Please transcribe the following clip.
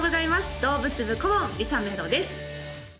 動物部顧問りさめろです